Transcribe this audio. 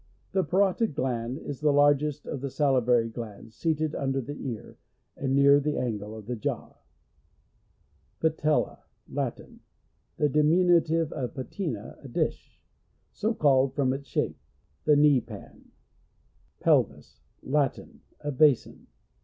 The paro tid gland is the largest of the sali vary glands, seated under the ear, and near the angle of the jaw. Pateila. — Latin. (The diminutive of patina, a dish, so called from its shape.) The knee pan. Pelvis. — Latin. A basin.